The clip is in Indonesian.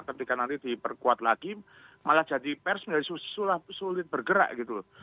ketika nanti diperkuat lagi malah jadi pers menjadi sulit bergerak gitu loh